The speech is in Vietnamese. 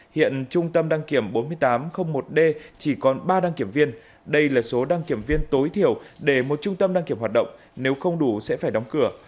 hiện trung tâm đăng kiểm bốn nghìn tám trăm linh một d chỉ còn ba đăng kiểm viên đây là số đăng kiểm viên tối thiểu để một trung tâm đăng kiểm hoạt động nếu không đủ sẽ phải đóng cửa